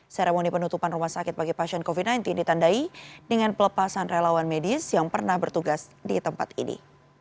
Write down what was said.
seremoni penutupan rumah sakit bagi pasien covid sembilan belas ditandai dengan pelepasan relawan medis yang pernah bertugas di tempat ini